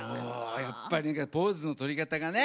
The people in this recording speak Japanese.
やっぱりポーズの取り方がね。